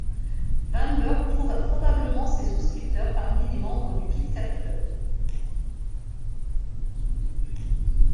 Vanburgh trouva probablement ses souscripteurs parmi les membres du Kit-Cat Club.